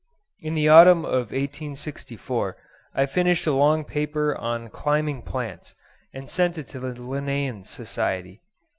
In the autumn of 1864 I finished a long paper on 'Climbing Plants,' and sent it to the Linnean Society.